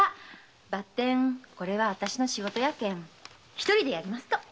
ばってんこれはあたしの仕事やけん一人でやりますと。